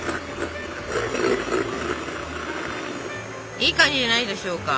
いい感じじゃないでしょうか。